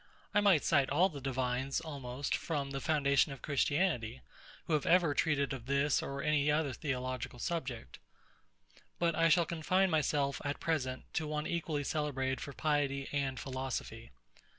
I might cite all the divines, almost, from the foundation of Christianity, who have ever treated of this or any other theological subject: But I shall confine myself, at present, to one equally celebrated for piety and philosophy.